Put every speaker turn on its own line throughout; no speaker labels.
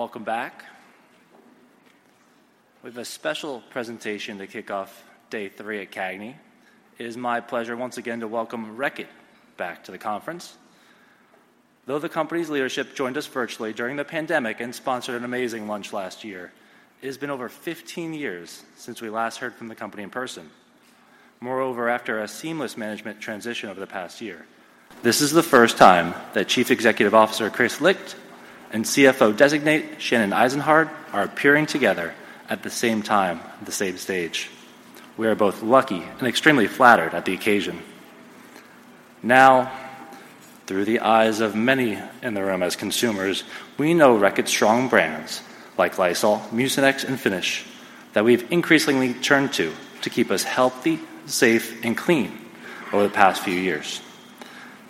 Welcome back. We have a special presentation to kick off day three at CAGNY. It is my pleasure once again to welcome Reckitt back to the conference. Though the company's leadership joined us virtually during the pandemic and sponsored an amazing lunch last year, it has been over 15 years since we last heard from the company in person. Moreover, after a seamless management transition over the past year, this is the first time that Chief Executive Officer Kris Licht and CFO Designate Shannon Eisenhardt are appearing together at the same time, the same stage. We are both lucky and extremely flattered at the occasion. Now, through the eyes of many in the room as consumers, we know Reckitt's strong brands like Lysol, Mucinex, and Finish that we've increasingly turned to to keep us healthy, safe, and clean over the past few years.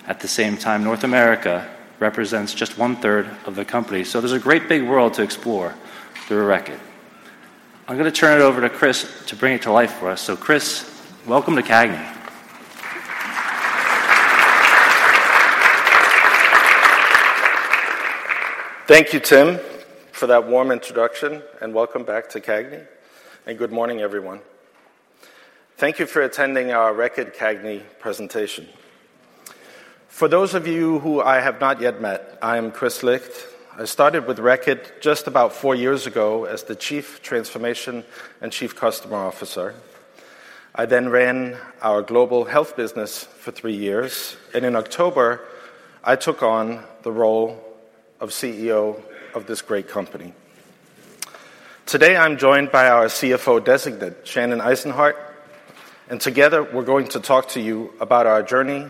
At the same time, North America represents just one-third of the company, so there's a great big world to explore through Reckitt. I'm going to turn it over to Kris to bring it to life for us. So Kris, welcome to CAGNY.
Thank you, Tim, for that warm introduction, and welcome back to CAGNY. Good morning, everyone. Thank you for attending our Reckitt CAGNY presentation. For those of you who I have not yet met, I am Kris Licht. I started with Reckitt just about four years ago as the Chief Transformation and Chief Customer Officer. I then ran our global health business for three years, and in October, I took on the role of CEO of this great company. Today, I'm joined by our CFO Designate, Shannon Eisenhardt, and together we're going to talk to you about our journey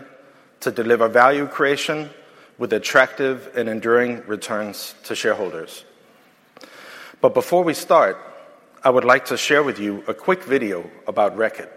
to deliver value creation with attractive and enduring returns to shareholders. But before we start, I would like to share with you a quick video about Reckitt.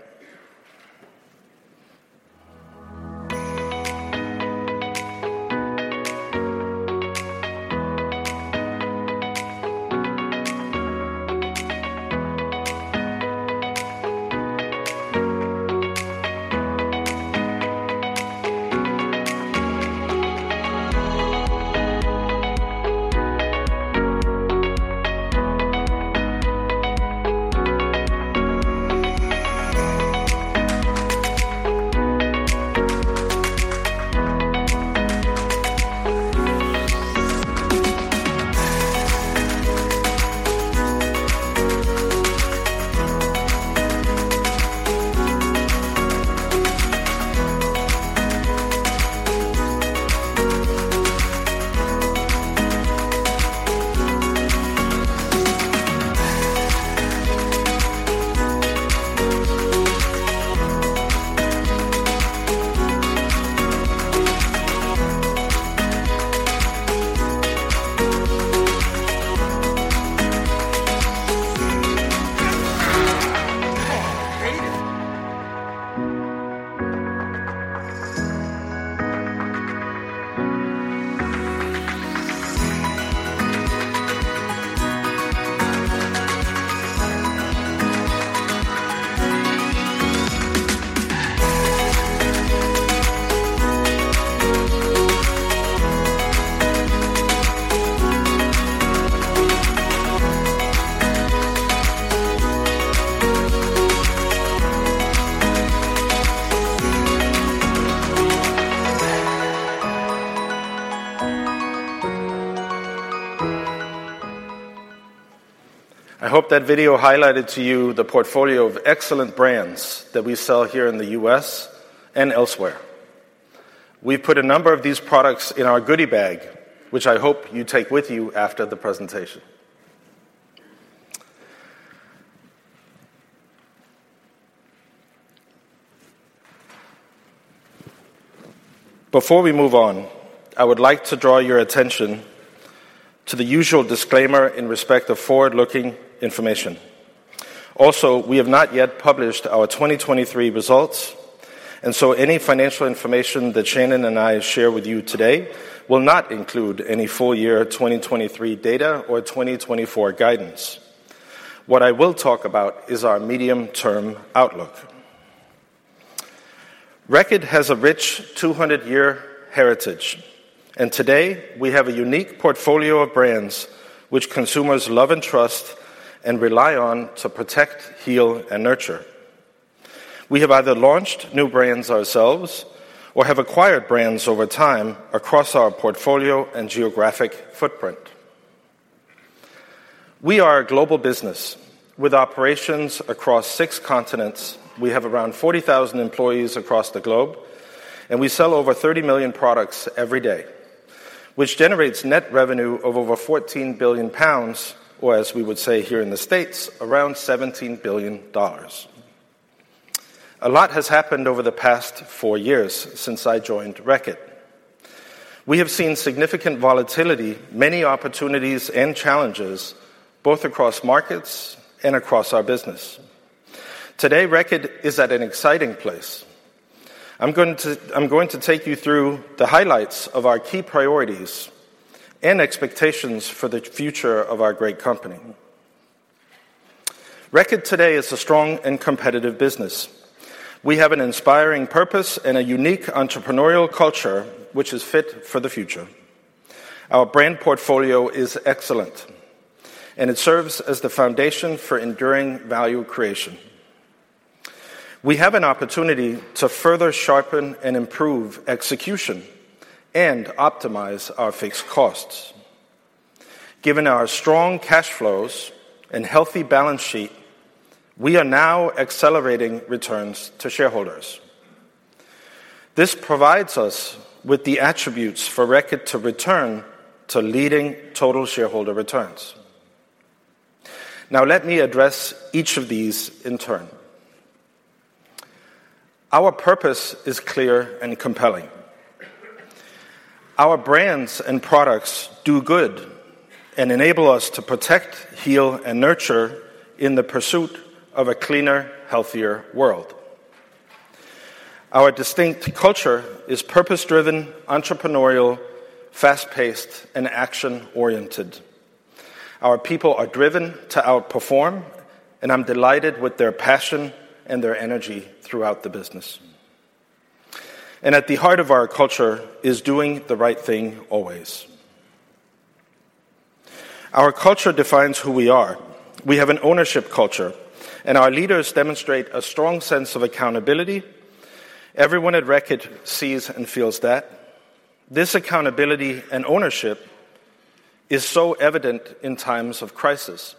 I hope that video highlighted to you the portfolio of excellent brands that we sell here in the U.S. and elsewhere. We've put a number of these products in our goody bag, which I hope you take with you after the presentation. Before we move on, I would like to draw your attention to the usual disclaimer in respect of forward-looking information. Also, we have not yet published our 2023 results, and so any financial information that Shannon and I share with you today will not include any full-year 2023 data or 2024 guidance. What I will talk about is our medium-term outlook. Reckitt has a rich 200-year heritage, and today we have a unique portfolio of brands which consumers love and trust and rely on to protect, heal, and nurture. We have either launched new brands ourselves or have acquired brands over time across our portfolio and geographic footprint. We are a global business with operations across six continents. We have around 40,000 employees across the globe, and we sell over 30 million products every day, which generates net revenue of over 14 billion pounds, or as we would say here in the States, around $17 billion. A lot has happened over the past four years since I joined Reckitt. We have seen significant volatility, many opportunities, and challenges both across markets and across our business. Today, Reckitt is at an exciting place. I'm going to take you through the highlights of our key priorities and expectations for the future of our great company. Reckitt today is a strong and competitive business. We have an inspiring purpose and a unique entrepreneurial culture which is fit for the future. Our brand portfolio is excellent, and it serves as the foundation for enduring value creation. We have an opportunity to further sharpen and improve execution and optimize our fixed costs. Given our strong cash flows and healthy balance sheet, we are now accelerating returns to shareholders. This provides us with the attributes for Reckitt to return to leading total shareholder returns. Now, let me address each of these in turn. Our purpose is clear and compelling. Our brands and products do good and enable us to protect, heal, and nurture in the pursuit of a cleaner, healthier world. Our distinct culture is purpose-driven, entrepreneurial, fast-paced, and action-oriented. Our people are driven to outperform, and I'm delighted with their passion and their energy throughout the business. At the heart of our culture is doing the right thing always. Our culture defines who we are. We have an ownership culture, and our leaders demonstrate a strong sense of accountability. Everyone at Reckitt sees and feels that. This accountability and ownership is so evident in times of crisis.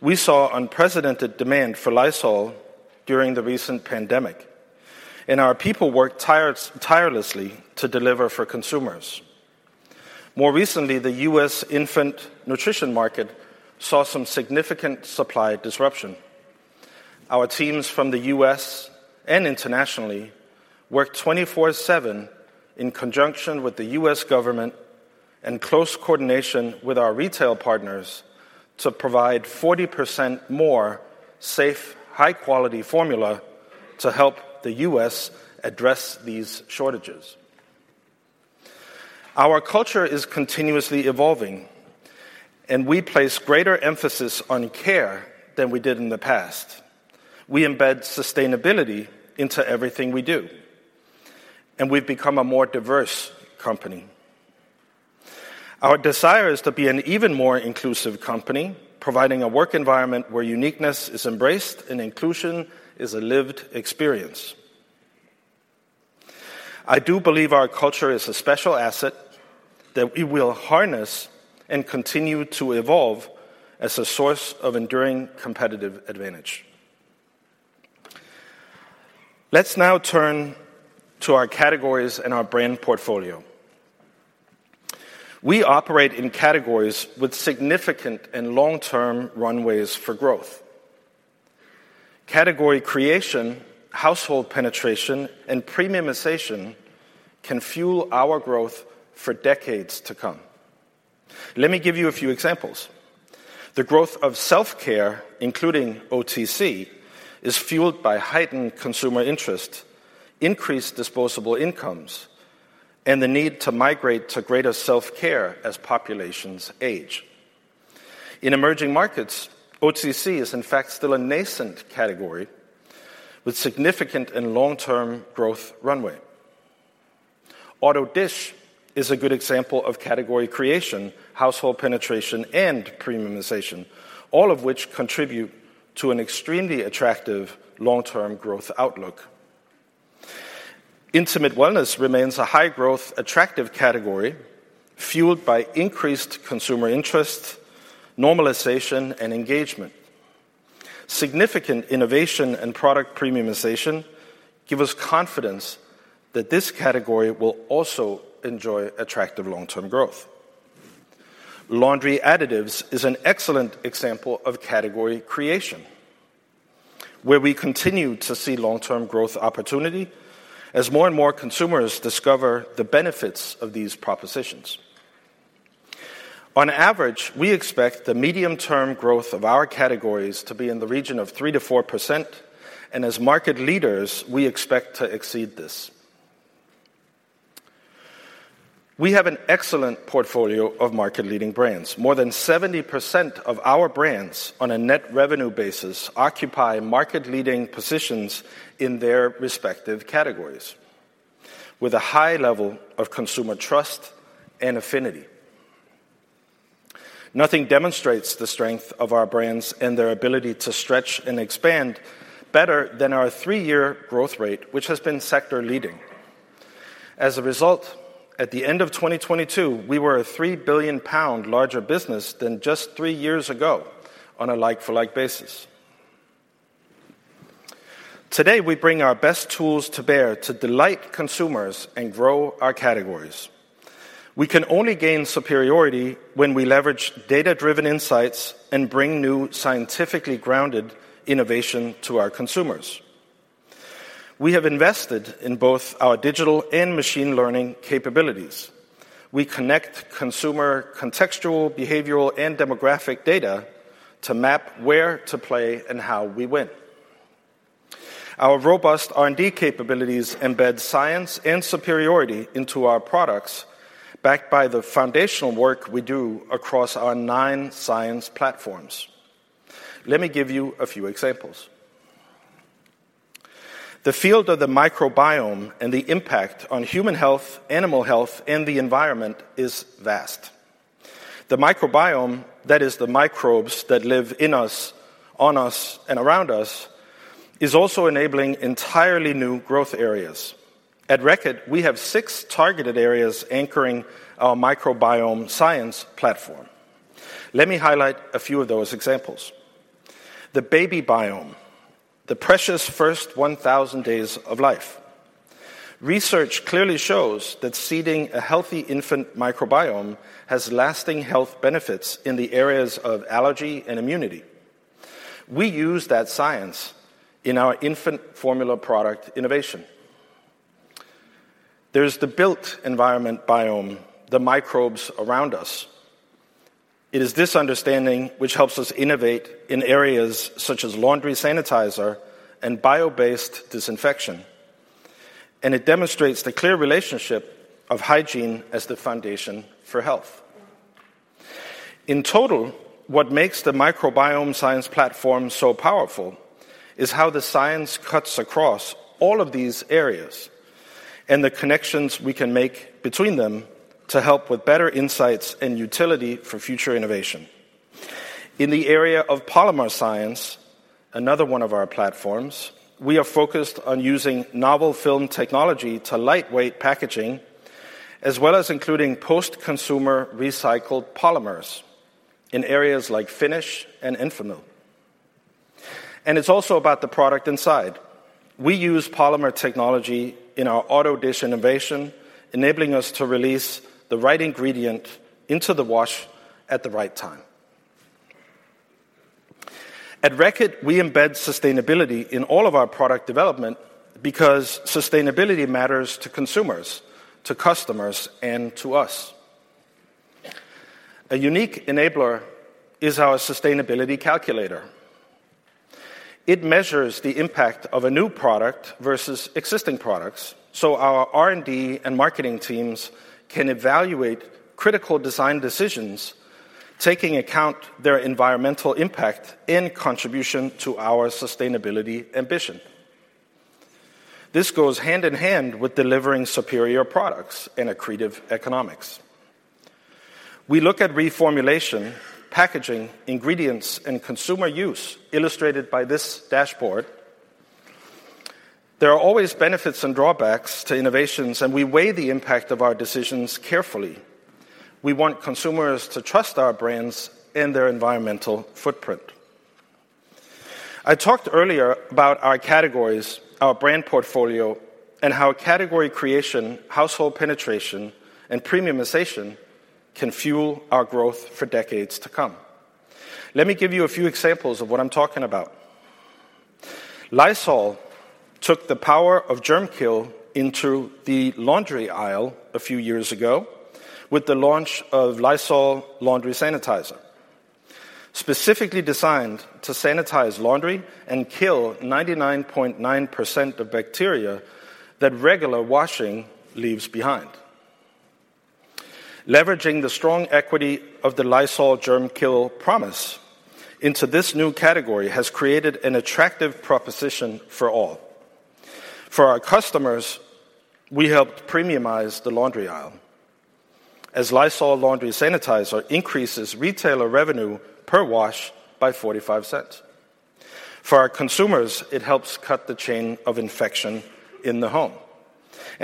We saw unprecedented demand for Lysol during the recent pandemic, and our people worked tirelessly to deliver for consumers. More recently, the U.S. infant nutrition market saw some significant supply disruption. Our teams from the U.S. and internationally worked 24/7 in conjunction with the U.S. government and close coordination with our retail partners to provide 40% more safe, high-quality formula to help the U.S. address these shortages. Our culture is continuously evolving, and we place greater emphasis on care than we did in the past. We embed sustainability into everything we do, and we've become a more diverse company. Our desire is to be an even more inclusive company, providing a work environment where uniqueness is embraced and inclusion is a lived experience. I do believe our culture is a special asset that we will harness and continue to evolve as a source of enduring competitive advantage. Let's now turn to our categories and our brand portfolio. We operate in categories with significant and long-term runways for growth. Category creation, household penetration, and premiumization can fuel our growth for decades to come. Let me give you a few examples. The growth of self-care, including OTC, is fueled by heightened consumer interest, increased disposable incomes, and the need to migrate to greater self-care as populations age. In emerging markets, OTC is, in fact, still a nascent category with significant and long-term growth runway. Autodish is a good example of category creation, household penetration, and premiumization, all of which contribute to an extremely attractive long-term growth outlook. Intimate Wellness remains a high-growth, attractive category fueled by increased consumer interest, normalization, and engagement. Significant innovation and product premiumization give us confidence that this category will also enjoy attractive long-term growth. Laundry additives is an excellent example of category creation, where we continue to see long-term growth opportunity as more and more consumers discover the benefits of these propositions. On average, we expect the medium-term growth of our categories to be in the region of 3%-4%, and as market leaders, we expect to exceed this. We have an excellent portfolio of market-leading brands. More than 70% of our brands, on a net revenue basis, occupy market-leading positions in their respective categories with a high level of consumer trust and affinity. Nothing demonstrates the strength of our brands and their ability to stretch and expand better than our three-year growth rate, which has been sector-leading. As a result, at the end of 2022, we were a 3 billion pound larger business than just three years ago on a like-for-like basis. Today, we bring our best tools to bear to delight consumers and grow our categories. We can only gain superiority when we leverage data-driven insights and bring new scientifically grounded innovation to our consumers. We have invested in both our digital and machine learning capabilities. We connect consumer contextual, behavioral, and demographic data to map where to play and how we win. Our robust R&D capabilities embed science and superiority into our products, backed by the foundational work we do across our nine science platforms. Let me give you a few examples. The field of the microbiome and the impact on human health, animal health, and the environment is vast. The microbiome, that is, the microbes that live in us, on us, and around us, is also enabling entirely new growth areas. At Reckitt, we have six targeted areas anchoring our microbiome science platform. Let me highlight a few of those examples. The baby microbiome, the precious first 1,000 days of life. Research clearly shows that seeding a healthy infant microbiome has lasting health benefits in the areas of allergy and immunity. We use that science in our infant formula product innovation. There's the built environment microbiome, the microbes around us. It is this understanding which helps us innovate in areas such as laundry sanitizer and bio-based disinfection, and it demonstrates the clear relationship of hygiene as the foundation for health. In total, what makes the microbiome science platform so powerful is how the science cuts across all of these areas and the connections we can make between them to help with better insights and utility for future innovation. In the area of polymer science, another one of our platforms, we are focused on using novel film technology to lightweight packaging as well as including post-consumer recycled polymers in areas like Finish and Enfamil. It's also about the product inside. We use polymer technology in our Autodish innovation, enabling us to release the right ingredient into the wash at the right time. At Reckitt, we embed sustainability in all of our product development because sustainability matters to consumers, to customers, and to us. A unique enabler is our sustainability calculator. It measures the impact of a new product versus existing products so our R&D and marketing teams can evaluate critical design decisions, taking account of their environmental impact in contribution to our sustainability ambition. This goes hand in hand with delivering superior products and accretive economics. We look at reformulation, packaging, ingredients, and consumer use, illustrated by this dashboard. There are always benefits and drawbacks to innovations, and we weigh the impact of our decisions carefully. We want consumers to trust our brands and their environmental footprint. I talked earlier about our categories, our brand portfolio, and how category creation, household penetration, and premiumization can fuel our growth for decades to come. Let me give you a few examples of what I'm talking about. Lysol took the power of germ kill into the laundry aisle a few years ago with the launch of Lysol Laundry Sanitizer, specifically designed to sanitize laundry and kill 99.9% of bacteria that regular washing leaves behind. Leveraging the strong equity of the Lysol germ kill promise into this new category has created an attractive proposition for all. For our customers, we helped premiumize the laundry aisle as Lysol Laundry Sanitizer increases retailer revenue per wash by $0.0045. For our consumers, it helps cut the chain of infection in the home.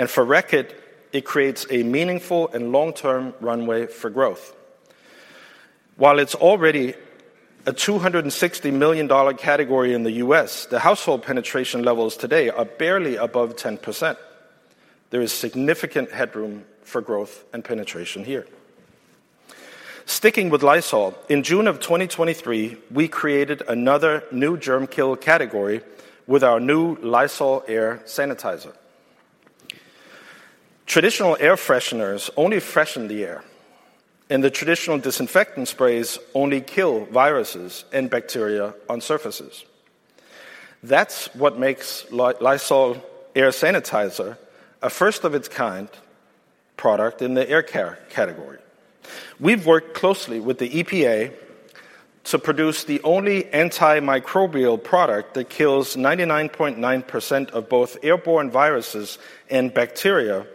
For Reckitt, it creates a meaningful and long-term runway for growth. While it's already a $260 million category in the U.S., the household penetration levels today are barely above 10%. There is significant headroom for growth and penetration here. Sticking with Lysol, in June of 2023, we created another new germ kill category with our new Lysol Air Sanitizer. Traditional air fresheners only freshen the air, and the traditional disinfectant sprays only kill viruses and bacteria on surfaces. That's what makes Lysol Air Sanitizer a first-of-its-kind product in the air care category. We've worked closely with the EPA to produce the only antimicrobial product that kills 99.9% of both airborne viruses and bacteria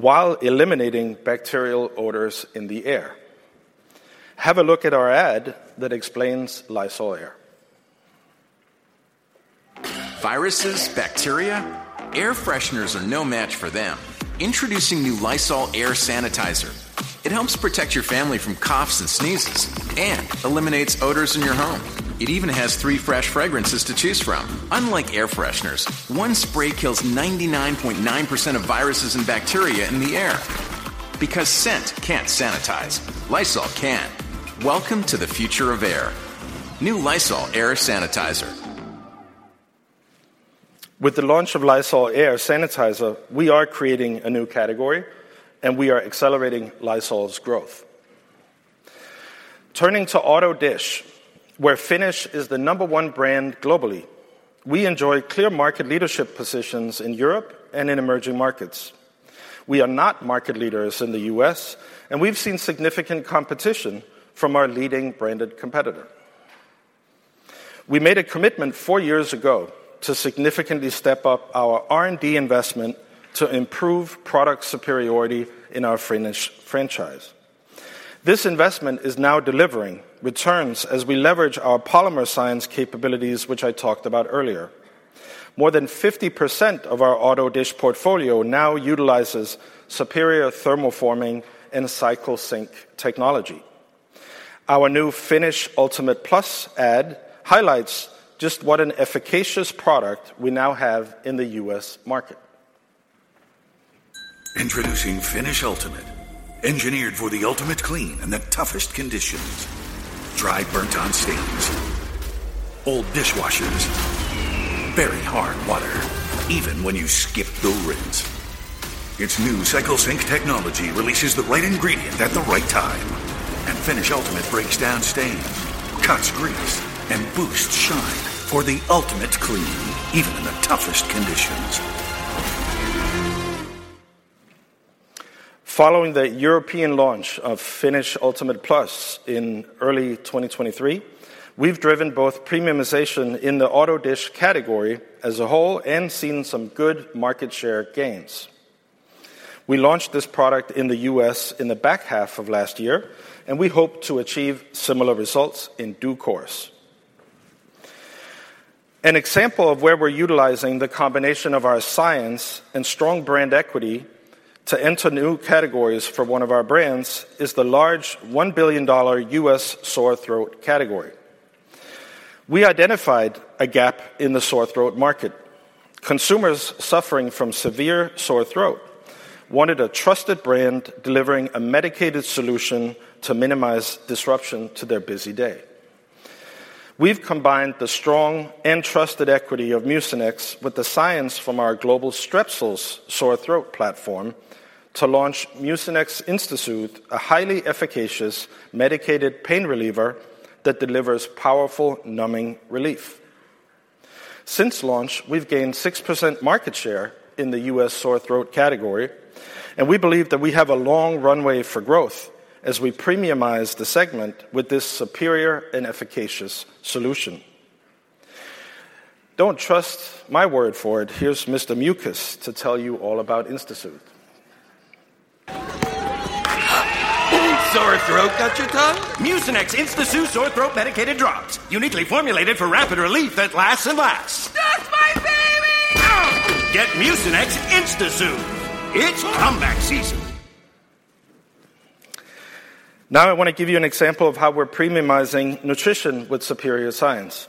while eliminating bacterial odors in the air. Have a look at our ad that explains Lysol Air.
Viruses, bacteria? Air fresheners are no match for them. Introducing new Lysol Air Sanitizer. It helps protect your family from coughs and sneezes and eliminates odors in your home. It even has three fresh fragrances to choose from. Unlike air fresheners, one spray kills 99.9% of viruses and bacteria in the air. Because scent can't sanitize, Lysol can. Welcome to the future of air. New Lysol Air Sanitizer.
With the launch of Lysol Air Sanitizer, we are creating a new category, and we are accelerating Lysol's growth. Turning to Autodish, where Finish is the number one brand globally, we enjoy clear market leadership positions in Europe and in emerging markets. We are not market leaders in the U.S., and we've seen significant competition from our leading branded competitor. We made a commitment four years ago to significantly step up our R&D investment to improve product superiority in our Finish franchise. This investment is now delivering returns as we leverage our polymer science capabilities, which I talked about earlier. More than 50% of our Autodish portfolio now utilizes superior thermoforming and CycleSync technology. Our new Finish Ultimate Plus ad highlights just what an efficacious product we now have in the U.S. market.
Introducing Finish Ultimate, engineered for the ultimate clean in the toughest conditions. Dry burnt-on stains, old dishwashers, very hard water, even when you skip the rinse. Its new CycleSync technology releases the right ingredient at the right time, and Finish Ultimate breaks down stains, cuts grease, and boosts shine for the ultimate clean even in the toughest conditions.
Following the European launch of Finish Ultimate Plus in early 2023, we've driven both premiumization in the Autodish category as a whole and seen some good market share gains. We launched this product in the U.S. in the back half of last year, and we hope to achieve similar results in due course. An example of where we're utilizing the combination of our science and strong brand equity to enter new categories for one of our brands is the large $1 billion U.S. sore throat category. We identified a gap in the sore throat market. Consumers suffering from severe sore throat wanted a trusted brand delivering a medicated solution to minimize disruption to their busy day. We've combined the strong and trusted equity of Mucinex with the science from our global Strepsils sore throat platform to launch Mucinex InstaSoothe, a highly efficacious medicated pain reliever that delivers powerful numbing relief. Since launch, we've gained 6% market share in the U.S. sore throat category, and we believe that we have a long runway for growth as we premiumize the segment with this superior and efficacious solution. Don't trust my word for it. Here's Mr. Mucus to tell you all about InstaSoothe.
Sore throat got your tongue? Mucinex InstaSoothe sore throat medicated drops, uniquely formulated for rapid relief that lasts and lasts. Stop, my baby! Get Mucinex InstaSoothe. It's comeback season.
Now I want to give you an example of how we're premiumizing nutrition with superior science.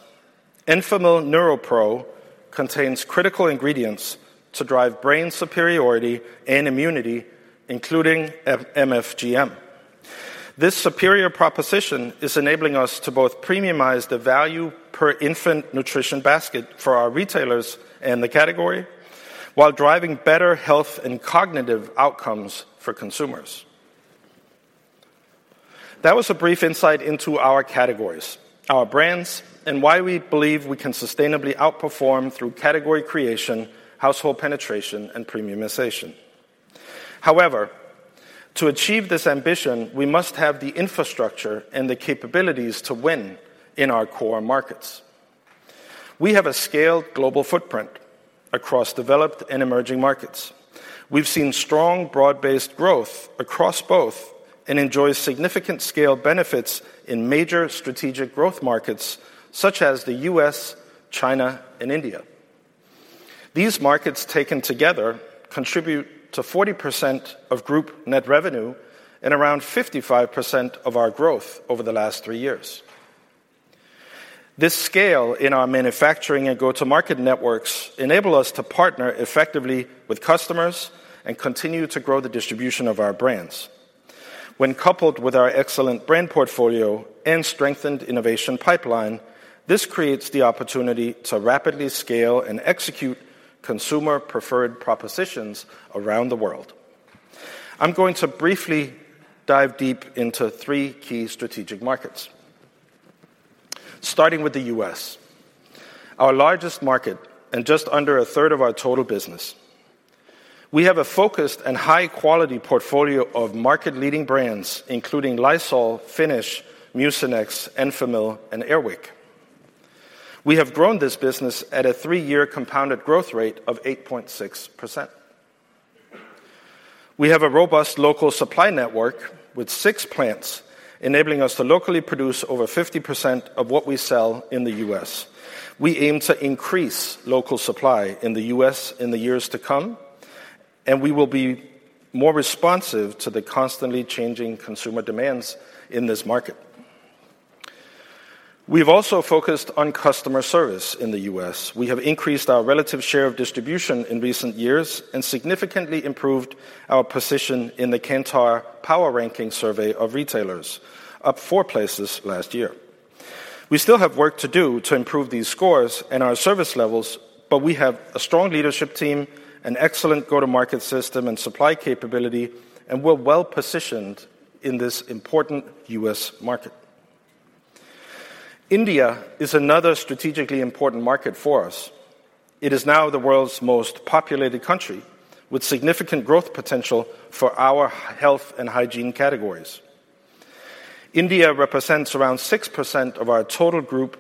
Enfamil NeuroPro contains critical ingredients to drive brain superiority and immunity, including MFGM. This superior proposition is enabling us to both premiumize the value per infant nutrition basket for our retailers and the category while driving better health and cognitive outcomes for consumers. That was a brief insight into our categories, our brands, and why we believe we can sustainably outperform through category creation, household penetration, and premiumization. However, to achieve this ambition, we must have the infrastructure and the capabilities to win in our core markets. We have a scaled global footprint across developed and emerging markets. We've seen strong broad-based growth across both and enjoy significant scale benefits in major strategic growth markets such as the U.S., China, and India. These markets taken together contribute to 40% of group net revenue and around 55% of our growth over the last three years. This scale in our manufacturing and go-to-market networks enables us to partner effectively with customers and continue to grow the distribution of our brands. When coupled with our excellent brand portfolio and strengthened innovation pipeline, this creates the opportunity to rapidly scale and execute consumer-preferred propositions around the world. I'm going to briefly dive deep into three key strategic markets. Starting with the U.S., our largest market and just under a third of our total business. We have a focused and high-quality portfolio of market-leading brands, including Lysol, Finish, Mucinex, Enfamil, and Air Wick. We have grown this business at a three-year compounded growth rate of 8.6%. We have a robust local supply network with six plants, enabling us to locally produce over 50% of what we sell in the U.S. We aim to increase local supply in the U.S. in the years to come, and we will be more responsive to the constantly changing consumer demands in this market. We've also focused on customer service in the U.S. We have increased our relative share of distribution in recent years and significantly improved our position in the Kantar PoweRanking survey of retailers, up four places last year. We still have work to do to improve these scores and our service levels, but we have a strong leadership team, an excellent go-to-market system, and supply capability, and we're well-positioned in this important U.S. market. India is another strategically important market for us. It is now the world's most populated country with significant growth potential for our health and hygiene categories. India represents around 6% of our total group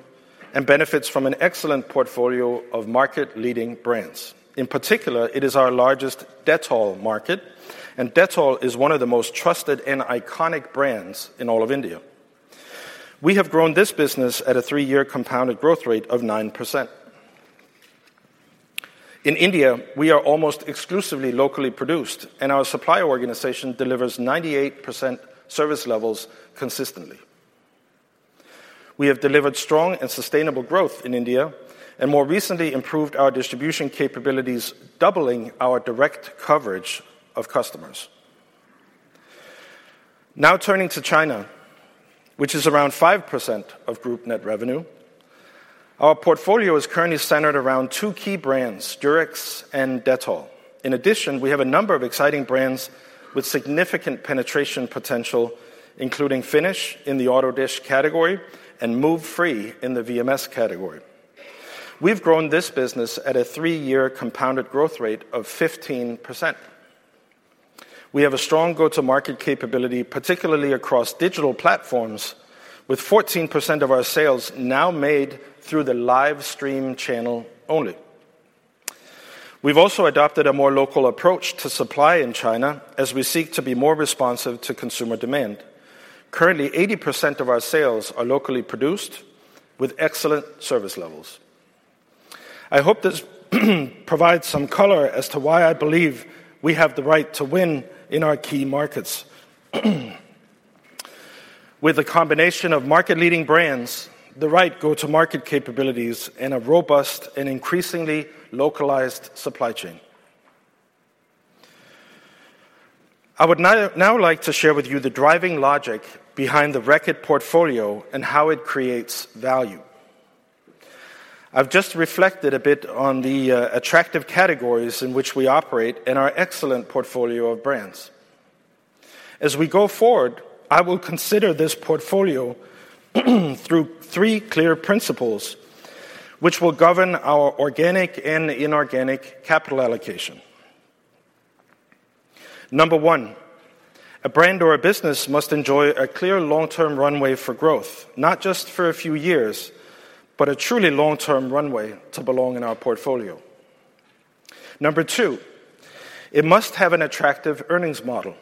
and benefits from an excellent portfolio of market-leading brands. In particular, it is our largest Dettol market, and Dettol is one of the most trusted and iconic brands in all of India. We have grown this business at a three-year compounded growth rate of 9%. In India, we are almost exclusively locally produced, and our supply organization delivers 98% service levels consistently. We have delivered strong and sustainable growth in India and more recently improved our distribution capabilities, doubling our direct coverage of customers. Now turning to China, which is around 5% of group net revenue, our portfolio is currently centered around two key brands, Durex and Dettol. In addition, we have a number of exciting brands with significant penetration potential, including Finish in the Autodish category and Move Free in the VMS category. We've grown this business at a three-year compounded growth rate of 15%. We have a strong go-to-market capability, particularly across digital platforms, with 14% of our sales now made through the live stream channel only. We've also adopted a more local approach to supply in China as we seek to be more responsive to consumer demand. Currently, 80% of our sales are locally produced with excellent service levels. I hope this provides some color as to why I believe we have the right to win in our key markets. With a combination of market-leading brands, the right go-to-market capabilities, and a robust and increasingly localized supply chain. I would now like to share with you the driving logic behind the Reckitt portfolio and how it creates value. I've just reflected a bit on the attractive categories in which we operate and our excellent portfolio of brands. As we go forward, I will consider this portfolio through three clear principles which will govern our organic and inorganic capital allocation. Number one, a brand or a business must enjoy a clear long-term runway for growth, not just for a few years, but a truly long-term runway to belong in our portfolio. Number two, it must have an attractive earnings model.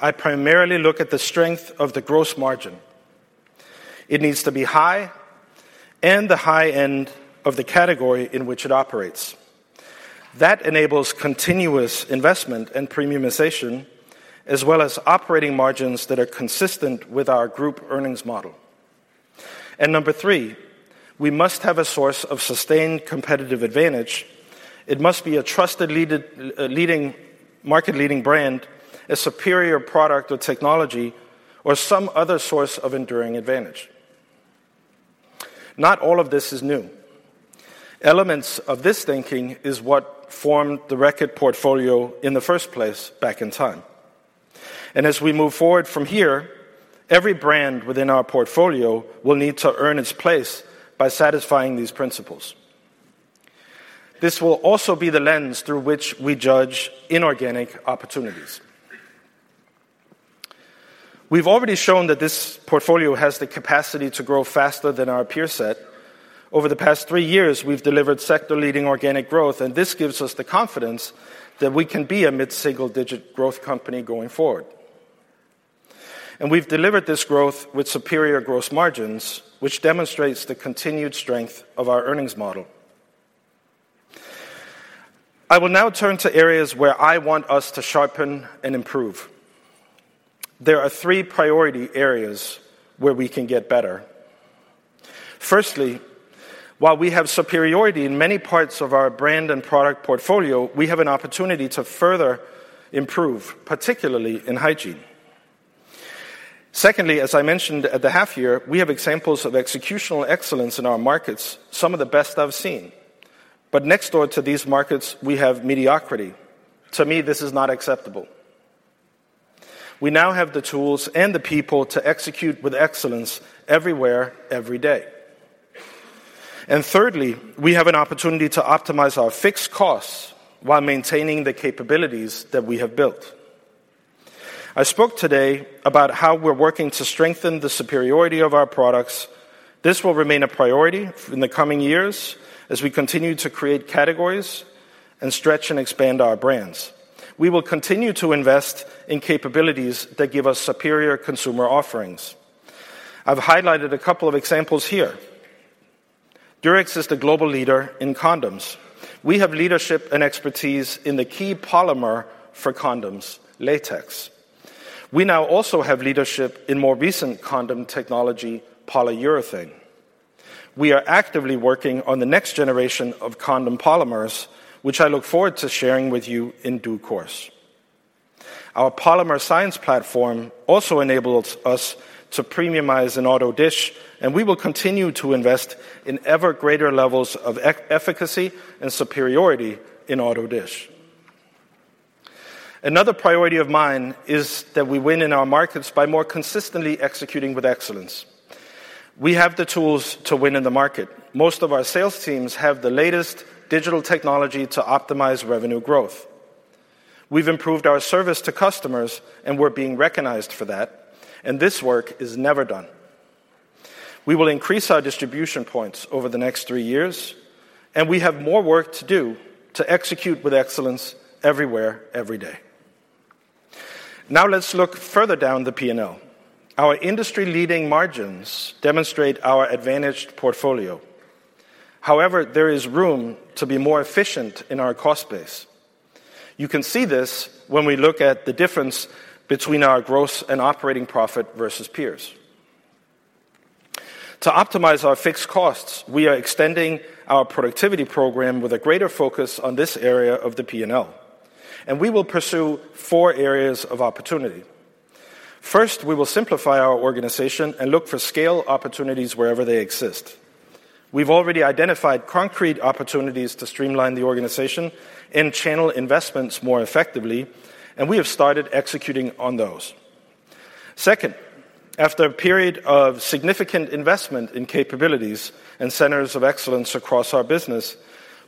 I primarily look at the strength of the gross margin. It needs to be high and the high end of the category in which it operates. That enables continuous investment and premiumization, as well as operating margins that are consistent with our group earnings model. And number three, we must have a source of sustained competitive advantage. It must be a trusted leading market-leading brand, a superior product or technology, or some other source of enduring advantage. Not all of this is new. Elements of this thinking is what formed the Reckitt portfolio in the first place back in time. And as we move forward from here, every brand within our portfolio will need to earn its place by satisfying these principles. This will also be the lens through which we judge inorganic opportunities. We've already shown that this portfolio has the capacity to grow faster than our peer set. Over the past three years, we've delivered sector-leading organic growth, and this gives us the confidence that we can be a mid-single-digit growth company going forward. And we've delivered this growth with superior gross margins, which demonstrates the continued strength of our earnings model. I will now turn to areas where I want us to sharpen and improve. There are three priority areas where we can get better. Firstly, while we have superiority in many parts of our brand and product portfolio, we have an opportunity to further improve, particularly in hygiene. Secondly, as I mentioned at the half-year, we have examples of executional excellence in our markets, some of the best I've seen. But next door to these markets, we have mediocrity. To me, this is not acceptable. We now have the tools and the people to execute with excellence everywhere, every day. And thirdly, we have an opportunity to optimize our fixed costs while maintaining the capabilities that we have built. I spoke today about how we're working to strengthen the superiority of our products. This will remain a priority in the coming years as we continue to create categories and stretch and expand our brands. We will continue to invest in capabilities that give us superior consumer offerings. I've highlighted a couple of examples here. Durex is the global leader in condoms. We have leadership and expertise in the key polymer for condoms, latex. We now also have leadership in more recent condom technology, polyurethane. We are actively working on the next generation of condom polymers, which I look forward to sharing with you in due course. Our polymer science platform also enables us to premiumize in Autodish, and we will continue to invest in ever greater levels of efficacy and superiority in Autodish. Another priority of mine is that we win in our markets by more consistently executing with excellence. We have the tools to win in the market. Most of our sales teams have the latest digital technology to optimize revenue growth. We've improved our service to customers, and we're being recognized for that, and this work is never done. We will increase our distribution points over the next three years, and we have more work to do to execute with excellence everywhere, every day. Now let's look further down the P&L. Our industry-leading margins demonstrate our advantaged portfolio. However, there is room to be more efficient in our cost base. You can see this when we look at the difference between our gross and operating profit versus peers. To optimize our fixed costs, we are extending our productivity program with a greater focus on this area of the P&L, and we will pursue four areas of opportunity. First, we will simplify our organization and look for scale opportunities wherever they exist. We've already identified concrete opportunities to streamline the organization and channel investments more effectively, and we have started executing on those. Second, after a period of significant investment in capabilities and centers of excellence across our business,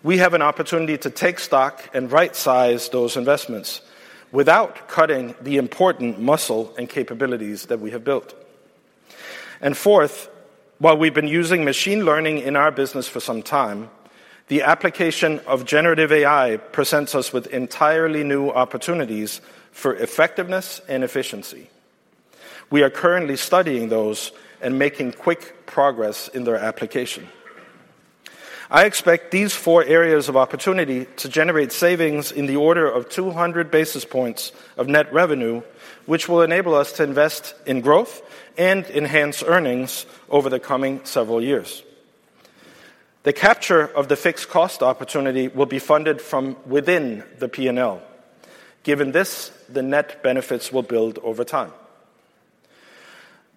we have an opportunity to take stock and right-size those investments without cutting the important muscle and capabilities that we have built. And fourth, while we've been using machine learning in our business for some time, the application of generative AI presents us with entirely new opportunities for effectiveness and efficiency. We are currently studying those and making quick progress in their application. I expect these four areas of opportunity to generate savings in the order of 200 basis points of net revenue, which will enable us to invest in growth and enhance earnings over the coming several years. The capture of the fixed cost opportunity will be funded from within the P&L. Given this, the net benefits will build over time.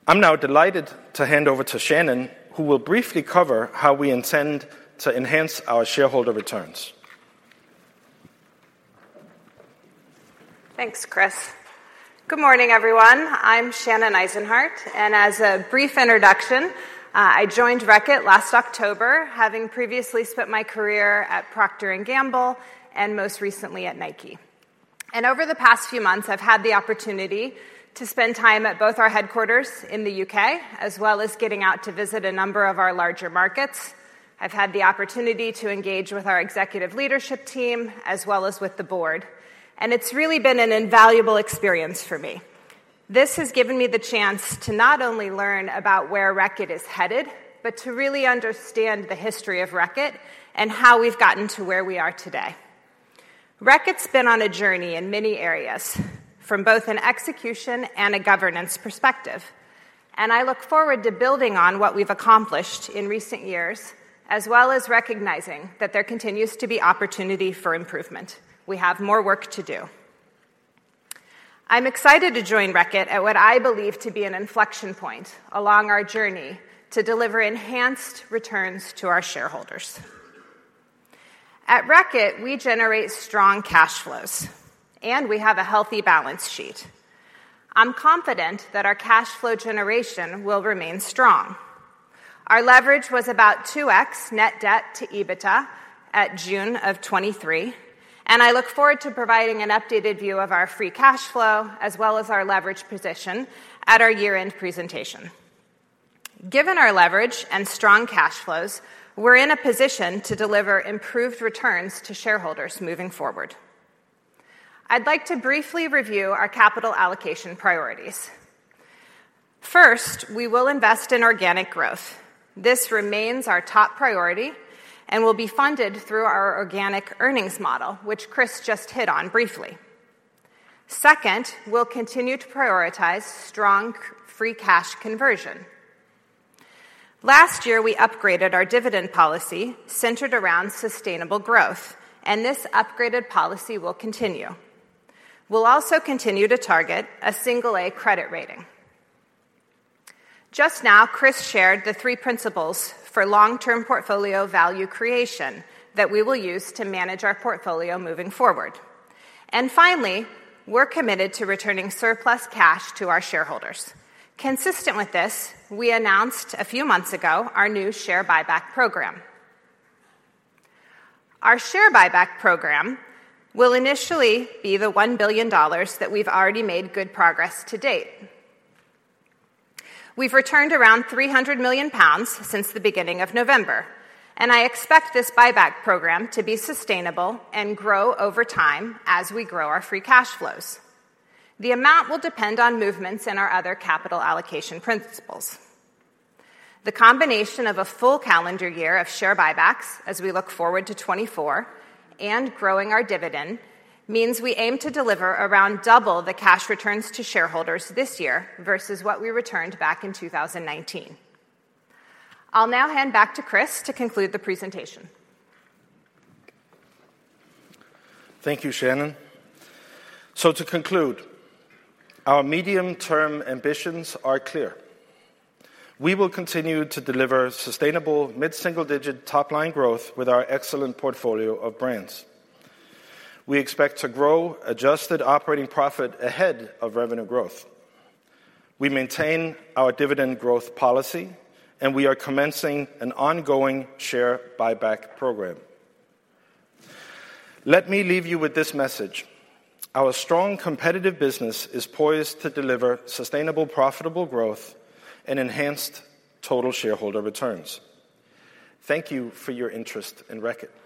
I'm now delighted to hand over to Shannon, who will briefly cover how we intend to enhance our shareholder returns.
Thanks, Kris. Good morning, everyone. I'm Shannon Eisenhardt, and as a brief introduction, I joined Reckitt last October, having previously spent my career at Procter & Gamble and most recently at Nike. Over the past few months, I've had the opportunity to spend time at both our headquarters in the U.K., as well as getting out to visit a number of our larger markets. I've had the opportunity to engage with our executive leadership team, as well as with the board, and it's really been an invaluable experience for me. This has given me the chance to not only learn about where Reckitt is headed, but to really understand the history of Reckitt and how we've gotten to where we are today. Reckitt's been on a journey in many areas from both an execution and a governance perspective, and I look forward to building on what we've accomplished in recent years, as well as recognizing that there continues to be opportunity for improvement. We have more work to do. I'm excited to join Reckitt at what I believe to be an inflection point along our journey to deliver enhanced returns to our shareholders. At Reckitt, we generate strong cash flows, and we have a healthy balance sheet. I'm confident that our cash flow generation will remain strong. Our leverage was about 2x net debt to EBITDA at June of 2023, and I look forward to providing an updated view of our free cash flow, as well as our leverage position at our year-end presentation. Given our leverage and strong cash flows, we're in a position to deliver improved returns to shareholders moving forward. I'd like to briefly review our capital allocation priorities. First, we will invest in organic growth. This remains our top priority and will be funded through our organic earnings model, which Kris just hit on briefly. Second, we'll continue to prioritize strong free cash conversion. Last year, we upgraded our dividend policy centered around sustainable growth, and this upgraded policy will continue. We'll also continue to target a single-A credit rating. Just now, Kris shared the three principles for long-term portfolio value creation that we will use to manage our portfolio moving forward. And finally, we're committed to returning surplus cash to our shareholders. Consistent with this, we announced a few months ago our new share buyback program. Our share buyback program will initially be the $1 billion that we've already made good progress to date. We've returned around 300 million pounds since the beginning of November, and I expect this buyback program to be sustainable and grow over time as we grow our free cash flows. The amount will depend on movements in our other capital allocation principles. The combination of a full calendar year of share buybacks, as we look forward to 2024, and growing our dividend means we aim to deliver around double the cash returns to shareholders this year versus what we returned back in 2019. I'll now hand back to Kris to conclude the presentation.
Thank you, Shannon. So to conclude, our medium-term ambitions are clear. We will continue to deliver sustainable mid-single-digit top-line growth with our excellent portfolio of brands. We expect to grow adjusted operating profit ahead of revenue growth. We maintain our dividend growth policy, and we are commencing an ongoing share buyback program. Let me leave you with this message. Our strong competitive business is poised to deliver sustainable, profitable growth and enhanced total shareholder returns. Thank you for your interest in Reckitt. That's really silly.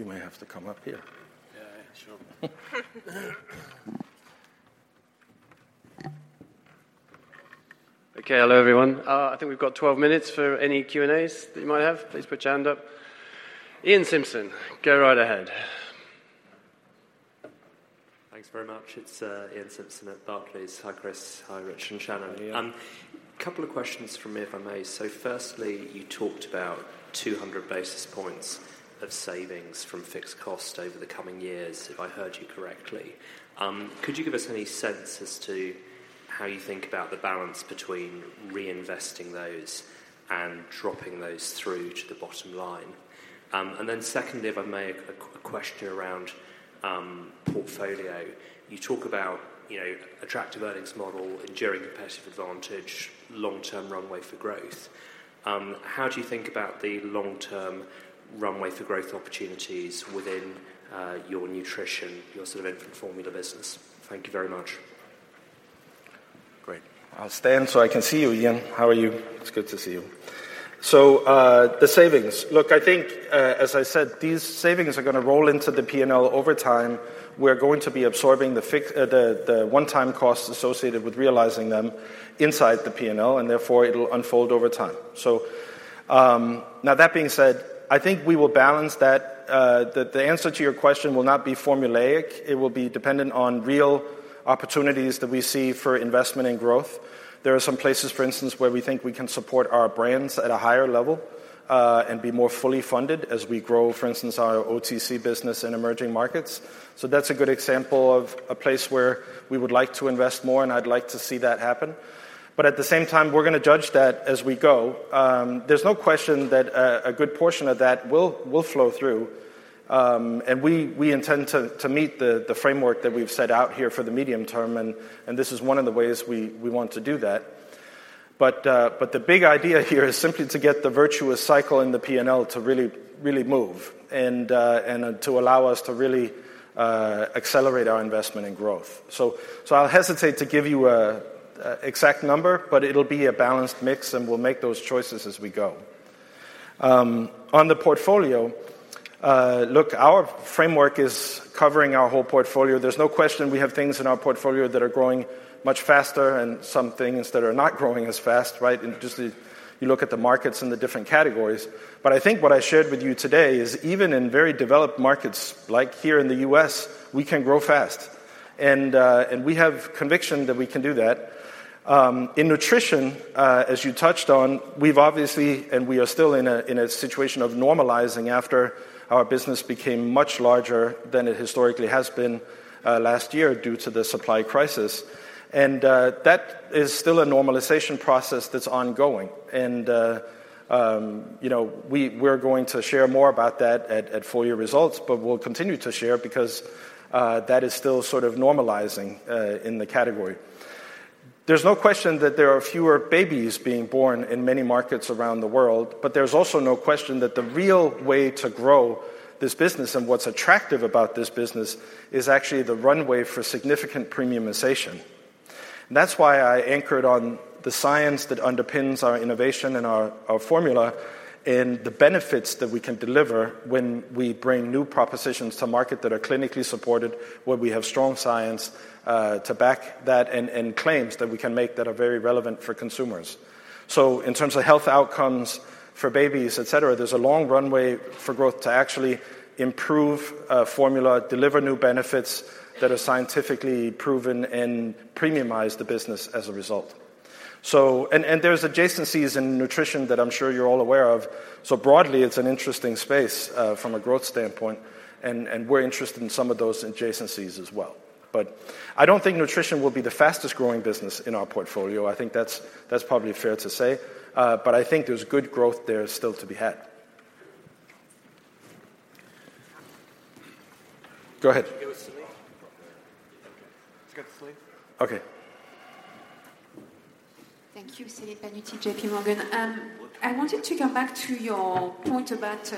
You may have to come up here.
Yeah, sure.
Okay. Hello, everyone. I think we've got 12 minutes for any Q&As that you might have. Please put your hand up. Iain Simpson, go right ahead.
Thanks very much. It's Iain Simpson at Barclays. Hi, Kris. Hi, Rich, and Shannon. A couple of questions from me, if I may. So firstly, you talked about 200 basis points of savings from fixed costs over the coming years, if I heard you correctly. Could you give us any sense as to how you think about the balance between reinvesting those and dropping those through to the bottom line? And then secondly, if I may, a question around portfolio. You talk about attractive earnings model, enduring competitive advantage, long-term runway for growth. How do you think about the long-term runway for growth opportunities within your nutrition, your sort of infant formula business? Thank you very much.
Great. I'll stand so I can see you, Iain. How are you? It's good to see you. So the savings. Look, I think, as I said, these savings are going to roll into the P&L over time. We're going to be absorbing the one-time costs associated with realizing them inside the P&L, and therefore, it'll unfold over time. So now that being said, I think we will balance that. The answer to your question will not be formulaic. It will be dependent on real opportunities that we see for investment and growth. There are some places, for instance, where we think we can support our brands at a higher level and be more fully funded as we grow, for instance, our OTC business in emerging markets. So that's a good example of a place where we would like to invest more, and I'd like to see that happen. But at the same time, we're going to judge that as we go. There's no question that a good portion of that will flow through, and we intend to meet the framework that we've set out here for the medium term, and this is one of the ways we want to do that. But the big idea here is simply to get the virtuous cycle in the P&L to really move and to allow us to really accelerate our investment and growth. So I'll hesitate to give you an exact number, but it'll be a balanced mix, and we'll make those choices as we go. On the portfolio, look, our framework is covering our whole portfolio. There's no question we have things in our portfolio that are growing much faster and some things that are not growing as fast, right? Just you look at the markets and the different categories. I think what I shared with you today is even in very developed markets like here in the U.S., we can grow fast, and we have conviction that we can do that. In nutrition, as you touched on, we've obviously and we are still in a situation of normalizing after our business became much larger than it historically has been last year due to the supply crisis. That is still a normalization process that's ongoing. We're going to share more about that at full-year results, but we'll continue to share because that is still sort of normalizing in the category. There's no question that there are fewer babies being born in many markets around the world, but there's also no question that the real way to grow this business and what's attractive about this business is actually the runway for significant premiumization. That's why I anchored on the science that underpins our innovation and our formula and the benefits that we can deliver when we bring new propositions to market that are clinically supported, where we have strong science to back that, and claims that we can make that are very relevant for consumers. So in terms of health outcomes for babies, etc., there's a long runway for growth to actually improve formula, deliver new benefits that are scientifically proven, and premiumize the business as a result. There's adjacencies in nutrition that I'm sure you're all aware of. So broadly, it's an interesting space from a growth standpoint, and we're interested in some of those adjacencies as well. But I don't think nutrition will be the fastest growing business in our portfolio. I think that's probably fair to say. But I think there's good growth there still to be had. Go ahead.
Can you go with Celine?
Okay.
Let's go to Celine.
Okay.
Thank you, Celine Pannuti, J.P. Morgan. I wanted to come back to your point about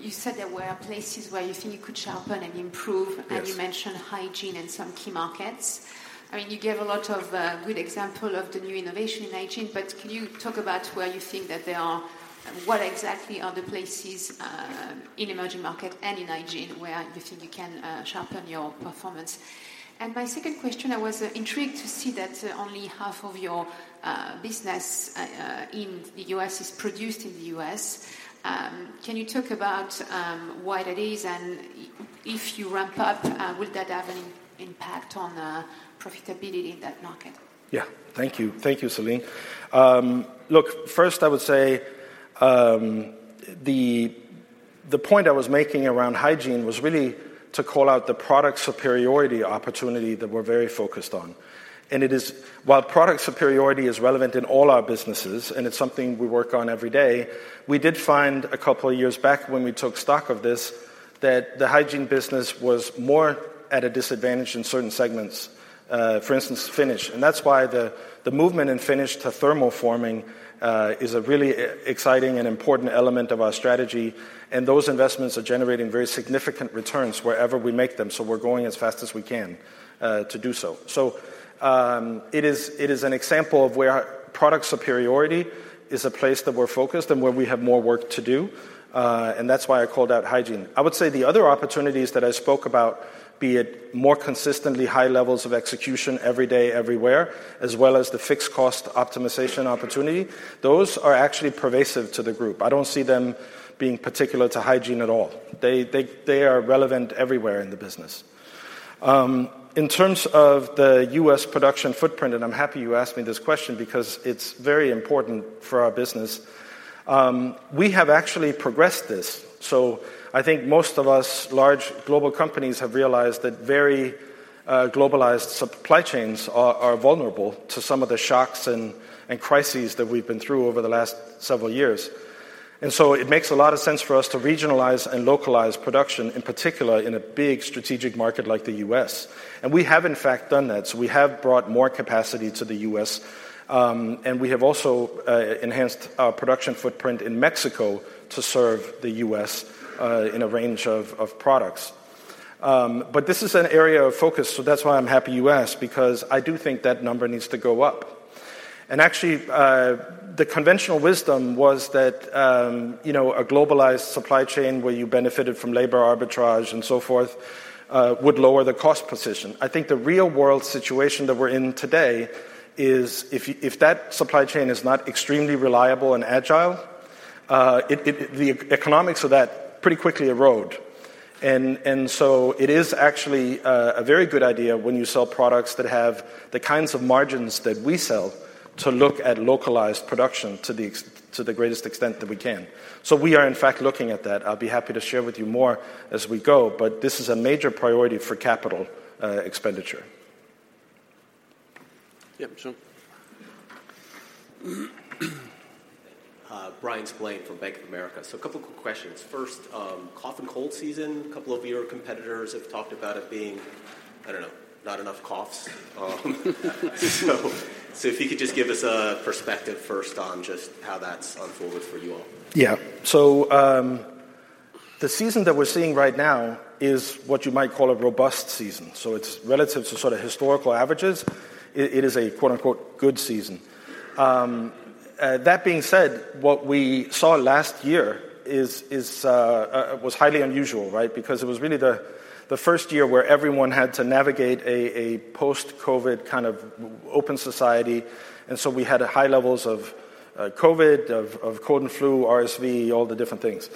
you said there were places where you think you could sharpen and improve, and you mentioned hygiene and some key markets. I mean, you gave a lot of good examples of the new innovation in hygiene, but can you talk about where you think that there are what exactly are the places in emerging markets and in hygiene where you think you can sharpen your performance? And my second question, I was intrigued to see that only half of your business in the U.S. is produced in the U.S. Can you talk about why that is, and if you ramp up, will that have an impact on profitability in that market?
Yeah. Thank you. Thank you, Celine. Look, first, I would say the point I was making around hygiene was really to call out the product superiority opportunity that we're very focused on. And while product superiority is relevant in all our businesses, and it's something we work on every day, we did find a couple of years back when we took stock of this that the hygiene business was more at a disadvantage in certain segments, for instance, Finish. And that's why the movement in Finish to thermoforming is a really exciting and important element of our strategy, and those investments are generating very significant returns wherever we make them, so we're going as fast as we can to do so. So it is an example of where product superiority is a place that we're focused and where we have more work to do, and that's why I called out hygiene. I would say the other opportunities that I spoke about, be it more consistently high levels of execution every day, everywhere, as well as the fixed cost optimization opportunity, those are actually pervasive to the group. I don't see them being particular to hygiene at all. They are relevant everywhere in the business. In terms of the U.S. production footprint, and I'm happy you asked me this question because it's very important for our business, we have actually progressed this. So I think most of us, large global companies, have realized that very globalized supply chains are vulnerable to some of the shocks and crises that we've been through over the last several years. And so it makes a lot of sense for us to regionalize and localize production, in particular in a big strategic market like the U.S. And we have, in fact, done that. So we have brought more capacity to the U.S., and we have also enhanced our production footprint in Mexico to serve the U.S. in a range of products. But this is an area of focus, so that's why I'm happy you asked, because I do think that number needs to go up. And actually, the conventional wisdom was that a globalized supply chain where you benefited from labor arbitrage and so forth would lower the cost position. I think the real-world situation that we're in today is if that supply chain is not extremely reliable and agile, the economics of that pretty quickly erode. And so it is actually a very good idea when you sell products that have the kinds of margins that we sell to look at localized production to the greatest extent that we can. So we are, in fact, looking at that. I'll be happy to share with you more as we go, but this is a major priority for capital expenditure.
Yep. Sure.
Bryan Spillane from Bank of America. So a couple of quick questions. First, cough and cold season, a couple of your competitors have talked about it being, I don't know, not enough coughs. So if you could just give us a perspective first on just how that's unfolded for you all?
Yeah. So the season that we're seeing right now is what you might call a robust season. So it's relative to sort of historical averages. It is a "good season." That being said, what we saw last year was highly unusual, right, because it was really the first year where everyone had to navigate a post-COVID kind of open society. And so we had high levels of COVID, of cold and flu, RSV, all the different things.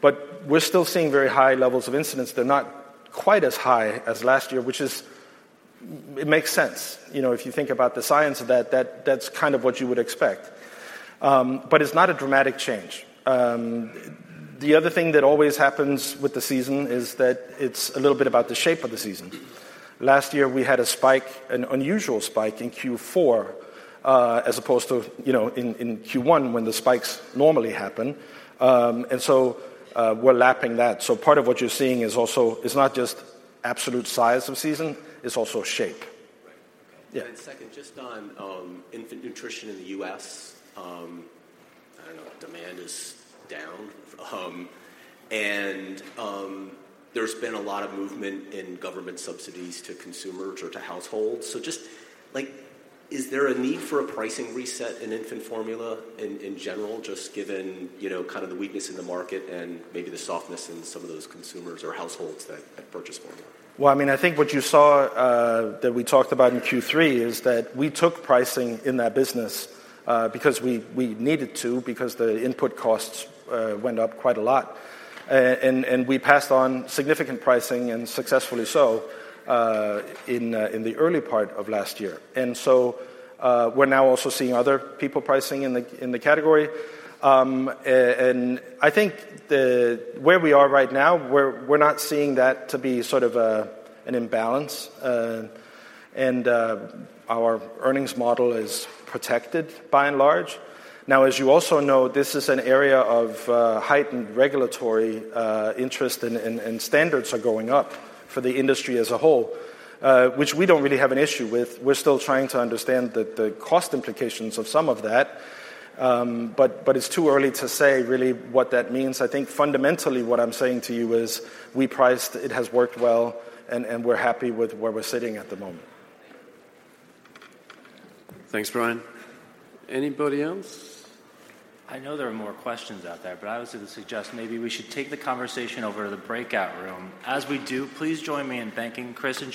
But we're still seeing very high levels of incidence. They're not quite as high as last year, which makes sense. If you think about the science of that, that's kind of what you would expect. But it's not a dramatic change. The other thing that always happens with the season is that it's a little bit about the shape of the season. Last year, we had a spike, an unusual spike in Q4 as opposed to in Q1 when the spikes normally happen. We're lapping that. Part of what you're seeing is also it's not just absolute size of season. It's also shape.
Right. Okay. And second, just on infant nutrition in the U.S., I don't know, demand is down, and there's been a lot of movement in government subsidies to consumers or to households. So just is there a need for a pricing reset in infant formula in general, just given kind of the weakness in the market and maybe the softness in some of those consumers or households that purchase formula?
Well, I mean, I think what you saw that we talked about in Q3 is that we took pricing in that business because we needed to, because the input costs went up quite a lot, and we passed on significant pricing, and successfully so, in the early part of last year. And so we're now also seeing other people pricing in the category. And I think where we are right now, we're not seeing that to be sort of an imbalance, and our earnings model is protected by and large. Now, as you also know, this is an area of heightened regulatory interest, and standards are going up for the industry as a whole, which we don't really have an issue with. We're still trying to understand the cost implications of some of that, but it's too early to say really what that means. I think fundamentally, what I'm saying to you is we priced it has worked well, and we're happy with where we're sitting at the moment.
Thanks, Bryan. Anybody else? I know there are more questions out there, but I would suggest maybe we should take the conversation over to the breakout room. As we do, please join me in thanking Kris and.